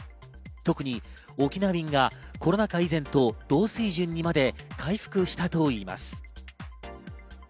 特に沖縄便がコロナ禍以前と同水準にまで回復したといいます。